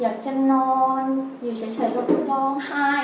อยากจะนอนอยู่เฉยก็ร้องห้าย